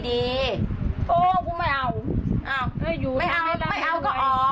โทษกูไม่เอาไม่เอาก็ออก